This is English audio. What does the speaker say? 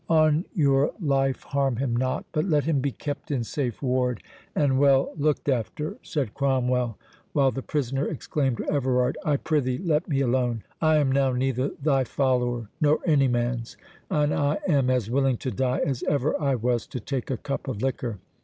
"On your life harm him not; but let him be kept in safe ward, and well looked after," said Cromwell; while the prisoner exclaimed to Everard, "I prithee let me alone—I am now neither thy follower, nor any man's, and I am as willing to die as ever I was to take a cup of liquor.